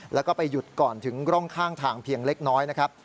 แล้วก็ไปหยุดก่อนถึงร่องข้างทางเพียงเล็กน้อยนะครับ